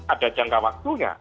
ada jangka waktunya